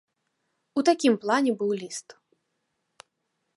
У такім плане быў ліст.